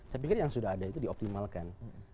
saya pikir yang sudah ada itu dioptimalkan